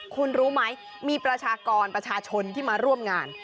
คุณรู้ไหมมีประชากรประชาชนที่มาร่วมงาน